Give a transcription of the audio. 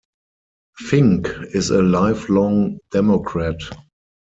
Fink is a lifelong Democrat.